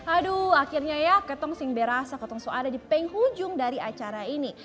aduh akhirnya ya ketong sing berasa ketong suara di penghujung dari acara ini